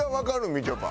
みちょぱ。